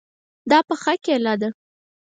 دا پخه کیله ده